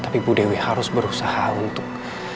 tapi bu dewi harus berusaha untuk